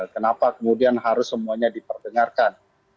kenapa kemudian harus semuanya diperdengarkan